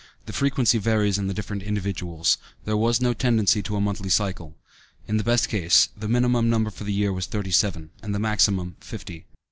The frequency varies in the different individuals. There was no tendency to a monthly cycle. In the best case, the minimum number for the year was thirty seven, and the maximum, fifty.